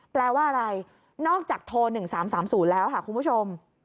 แปลว่าอะไรนอกจากโทร๑๓๓๐แล้วค่ะคุณผู้ชม